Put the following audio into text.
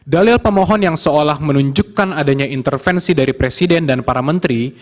dalil pemohon yang seolah menunjukkan adanya intervensi dari presiden dan para menteri